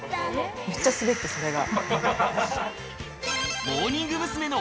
めっちゃスベって、それが。